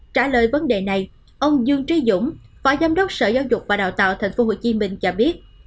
trả lời vấn đề này ông dương trí dũng phó giám đốc sở giáo dục và đào tạo tp hcm cho biết